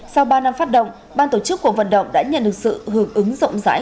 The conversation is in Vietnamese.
sau ba năm phát động ban tổ chức cuộc vận động đã nhận được sự hưởng ứng rộng rãi